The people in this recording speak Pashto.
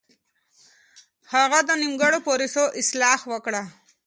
هغه د نيمګړو پروسو اصلاح وکړه.